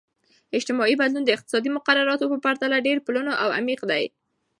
اجتماعي بدلون د اقتصادي مقرراتو په پرتله ډیر پلنو او عمیق دی.